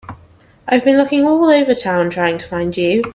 I've been looking all over town trying to find you.